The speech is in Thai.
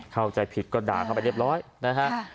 เข้าใจผิดก็ด่าเข้าไปเรียบร้อยนะฮะ